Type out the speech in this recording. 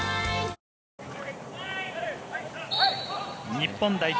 日本代表